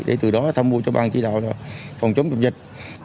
để từ đó tham mưu cho ban chỉ đạo là phòng chống dịch